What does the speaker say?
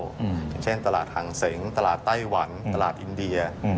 อย่างเช่นตลาดหังเสงตลาดไต้หวันตลาดอินเดีย